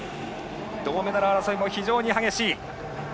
銅メダル争いも激しい。